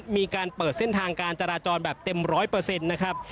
มีการเปิดเส้นทางการจราจรแบบเต็ม๑๐๐นะครับ